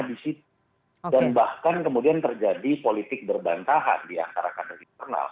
dan bahkan kemudian terjadi politik berbantahan di antara kandung internal